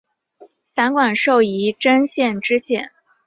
散馆授仪征县知县。